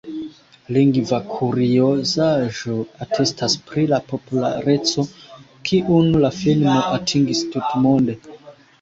Lingva kuriozaĵo atestas pri la populareco kiun la filmo atingis tutmonde.